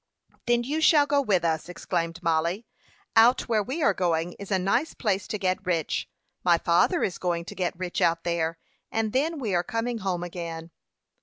"Then you shall go with us!" exclaimed Mollie. "Out where we are going is a nice place to get rich. My father is going to get rich out there, and then we are coming home again."